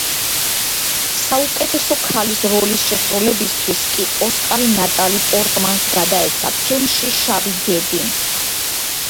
საუკეთესო ქალის როლის შესრულებისთვის კი ოსკარი ნატალი პორტმანს გადაეცა, ფილმში „შავი გედი“.